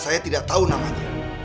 saya tidak tahu namanya